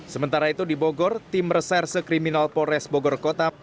sementara itu di bogor tim reserse kriminal polres bogor kota